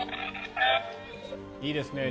いいですね。